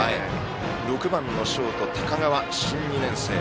打席には６番のショート、高川、新２年生。